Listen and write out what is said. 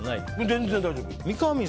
全然大丈夫。